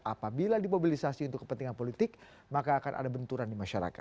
apabila dimobilisasi untuk kepentingan politik maka akan ada benturan di masyarakat